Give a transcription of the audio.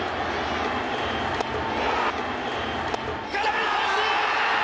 空振り三振！